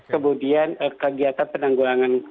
kemudian kegiatan penanggulangan